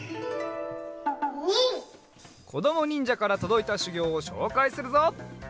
こどもにんじゃからとどいたしゅぎょうをしょうかいするぞ。